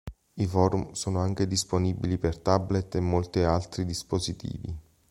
I forum sono anche disponibili per tablet e molti altri dispositivi.